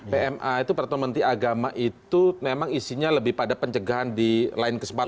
pma itu peraturan menteri agama itu memang isinya lebih pada pencegahan di lain kesempatan